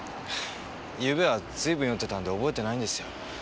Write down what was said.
昨夜はずいぶん酔ってたんで覚えてないんですよ。